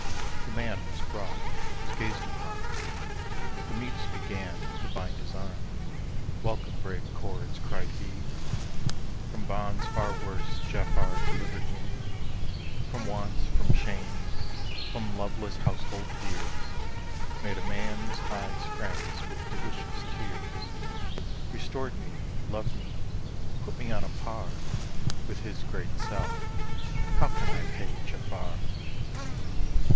The man Was brought, was gazed upon. The mutes began To bind his arms. "Welcome, brave cords," cried he; "From bonds far worse Jaffar delivered me; From wants, from shames, from loveless household fears; Made a man's eyes friends with delicious tears; Restored me, loved me, put me on a par With his great self. How can I pay Jaffar?